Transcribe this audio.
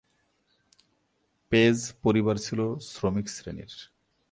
Page পরিবার ছিল শ্রমিক শ্রেণির।